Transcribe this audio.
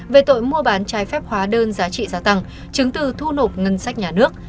về tội mua bán trái phép hóa đơn giá trị gia tăng chứng từ thu nộp ngân sách nhà nước